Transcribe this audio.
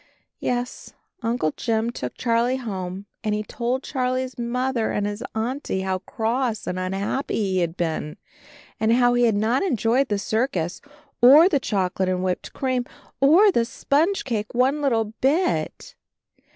Yes, Uncle Jim took Charlie home and he told Charlie's Mother and his Auntie how cross and unhappy he had been, and how he had not enjoyed the circus, or the chocolate and whipped cream, or the sponge cake one little bit.